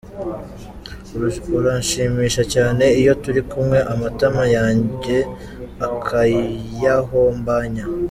Uranshimisha cyane iyo turi kumwe, amatama yanjywe Akayahombanya.